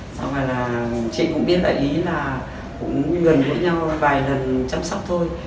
xong rồi là chị cũng biết là ý là cũng gần với nhau vài lần chăm sóc thôi